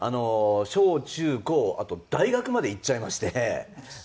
小中高あと大学まで行っちゃいまして全部。